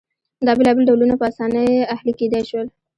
دا بېلابېل ډولونه په اسانۍ اهلي کېدای شول